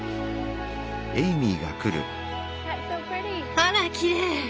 あらきれい！